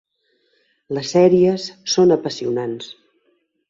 Les sèries són apassionants.